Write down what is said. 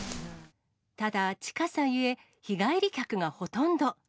ただ、近さゆえ、日帰り客がほとんど。